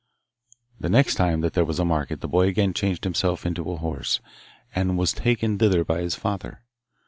The next time that there was a market the boy again changed himself to a horse, and was taken thither by his father.